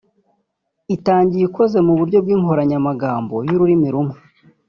Itangiye ikoze mu buryo bw’inkoranyamagambo y’ururimi rumwe